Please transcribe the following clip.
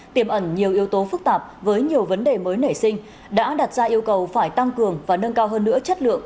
tiềm ẩn nhiều yếu tố phức tạp với nhiều vấn đề mới nảy sinh đã đặt ra yêu cầu phải tăng cường và nâng cao hơn nữa chất lượng